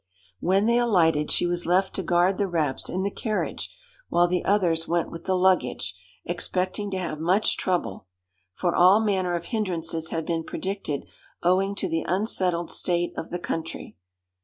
When they alighted, she was left to guard the wraps in the carriage while the others went with the luggage, expecting to have much trouble; for all manner of hindrances had been predicted owing to the unsettled state of the country.